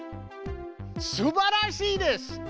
すばらしいです！